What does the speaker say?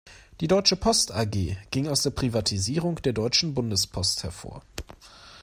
Die deutsche Post A-G ging aus der Privatisierung der deutschen Bundespost hervor.